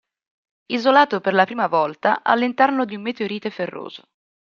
Isolato per la prima volta all'interno di un meteorite ferroso.